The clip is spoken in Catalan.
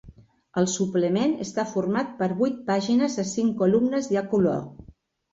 El suplement està format per vuit pàgines a cinc columnes i a color.